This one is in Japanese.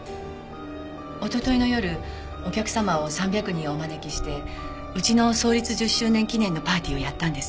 おとといの夜お客様を３００人お招きしてうちの創立１０周年記念のパーティーをやったんです。